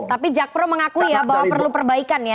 tapi jakpro mengakui ya bahwa perlu perbaikan ya